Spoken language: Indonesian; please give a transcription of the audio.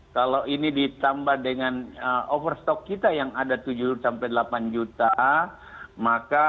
kalau ini ditambah dengan overstock kita yang ada tujuh sampai delapan juta maka